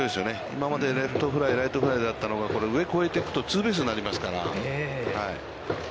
今までレフトフライ、ライトフライだったのが、これ、上を越えていくとツーベースになりますから。